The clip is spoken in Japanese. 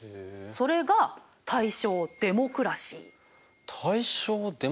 それが大正デモクラシー？